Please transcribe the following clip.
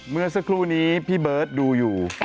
เมื่อสักครู่นี้พี่เบิร์ตดูอยู่